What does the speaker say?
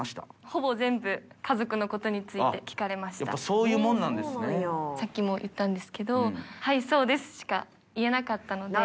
ほぼ全部、家族のことについやっぱそういうもんなんですさっきも言ったんですけど、はい、そうですしか言えなかったので。